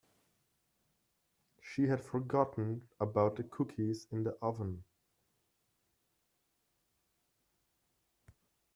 She had forgotten about the cookies in the oven.